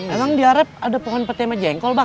eh emang di arab ada pohon peti sama jengkol bang